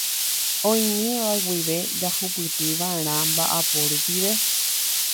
Oĩmíva guive jahupytyva'erã mba'apo rupive.